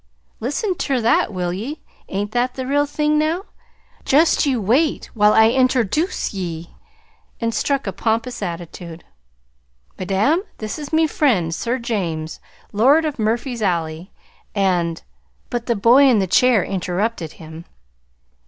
"Listen ter that, will ye? Ain't that the real thing, now? Just you wait while I introDOOCE ye!" And he struck a pompous attitude. "Madam, this is me friend, Sir James, Lord of Murphy's Alley, and " But the boy in the chair interrupted him.